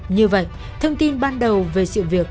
như vậy thông tin ban đầu về sự việc